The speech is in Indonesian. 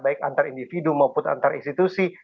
baik antar individu maupun antar institusi